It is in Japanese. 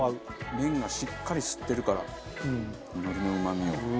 麺がしっかり吸ってるから海苔のうまみを。